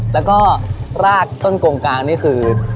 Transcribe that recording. แล้วก็รากต้นกงกลางนี่คือ